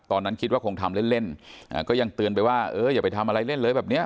ตอนนั้นคิดว่าคงทำเล่นเล่นก็ยังเตือนไปว่าเอออย่าไปทำอะไรเล่นเลยแบบเนี้ย